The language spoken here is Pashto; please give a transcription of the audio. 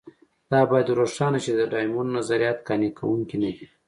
دا باید روښانه شي چې د ډایمونډ نظریات قانع کوونکي نه دي.